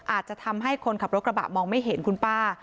อาจจะทำให้คนขับรถกระบะมองไม่เห็นคุณป้า